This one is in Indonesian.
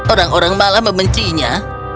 orang orang malah membencinya